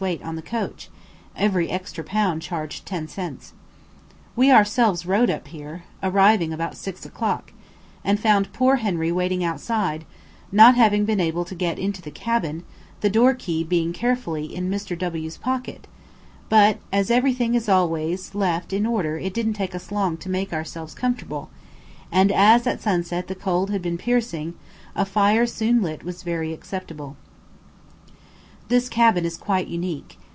weight on the coach, every extra lb. charged ten cents. We ourselves rode up here, arriving about 6 o'clock, and found poor Henry waiting outside, not having been able to get into the cabin, the door key being carefully in Mr. W 's pocket; but as everything is always left in order it didn't take us long to make ourselves comfortable; and as at sunset the cold had been piercing, a fire soon lit was very acceptable. This cabin is quite unique.